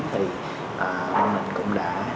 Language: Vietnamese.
thì mình cũng đã